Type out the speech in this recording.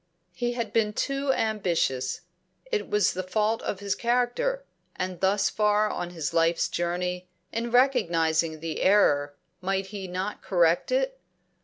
He had been too ambitious. It was the fault of his character, and, thus far on his life's journey, in recognising the error might he not correct it?